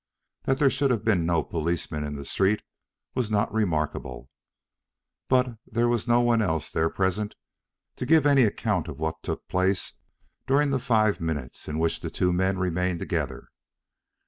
That there should have been no policemen in the street was not remarkable, but there was no one else there present to give any account of what took place during the five minutes in which the two men remained together.